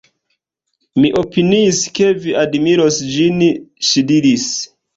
Mi opiniis ke vi admiros ĝin, ŝi diris.